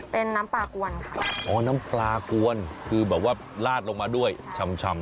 เป็นน้ำปลากวนค่ะอ๋อน้ำปลากวนคือแบบว่าลาดลงมาด้วยชำ